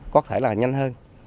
có thể là nhanh hơn